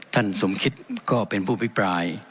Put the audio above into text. สมคิดก็เป็นผู้พิปราย